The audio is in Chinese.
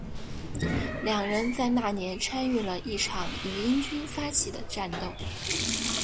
两人在那年参与了一场由英军发起的战斗。